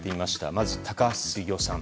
まず、高橋杉雄さん